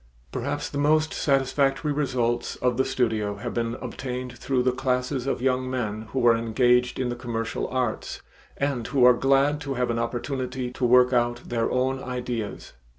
Perhaps the most satisfactory results of the studio have been obtained through the classes of young men who are engaged in the commercial arts, and who are glad to have an opportunity to work out their own ideas.